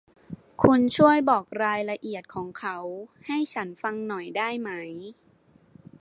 คุณช่วยบอกรายละเอียดของเขาให้ฉันฟังหน่อยได้ไหม ?